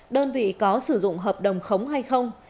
đơn vị có sử dụng hợp đồng khống hay không